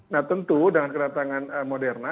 nah tentu dengan kedatangan moderna